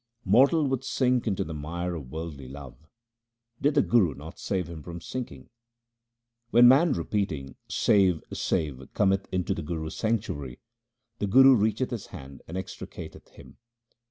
Mortal would sink into the mire of worldly love, did the Guru not save him from sinking. When man repeating ' Save ! save !' cometh into the Guru's sanctuary 2 , the Guru reacheth his hand and extri cateth him.